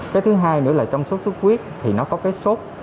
cái thứ hai nữa là trong sốt sốt huyết thì nó có cái sốt